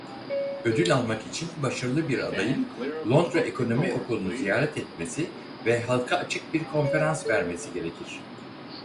Ödül almak için başarılı bir adayın Londra Ekonomi Okulu'nu ziyaret etmesi ve halka açık bir konferans vermesi gerekir.